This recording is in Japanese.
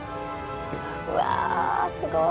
うわすごい。